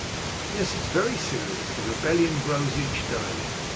"Yes, very serious; the rebellion grows each day.